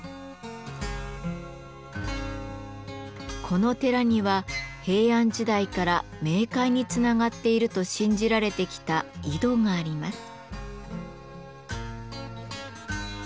この寺には平安時代から冥界につながっていると信じられてきた井戸があります。